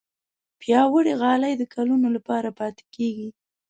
پیاوړې غالۍ د کلونو لپاره پاتې کېږي.